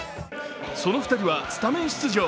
その２人はスタメン出場。